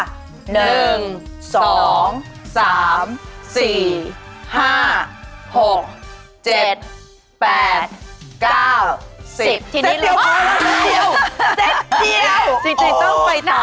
เซ็ตเดียวพอแล้วเซ็ตเดียวจริงต้องไปต่อ